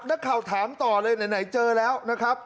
นักข่าวถามต่อเลยไหนเจอแล้วนะครับ